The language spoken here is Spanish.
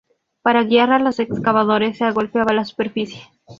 Para guiar a los excavadores, se golpeaba la superficie.